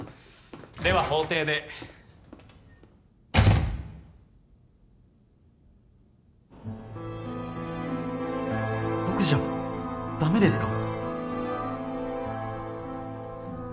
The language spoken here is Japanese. では法廷で僕じゃダメですか？